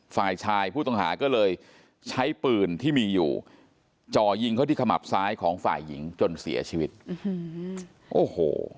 ฝ่ายชายผู้ต้องหาก็เลยใช้ปืนที่มีอยู่จ่อยิงเขาที่ขมับซ้ายของฝ่ายหญิงจนเสียชีวิตโอ้โห